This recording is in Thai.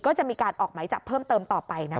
ก็จะมีการออกไหมจับเพิ่มเติมต่อไปนะคะ